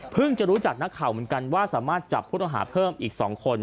จะรู้จักนักข่าวเหมือนกันว่าสามารถจับผู้ต้องหาเพิ่มอีก๒คน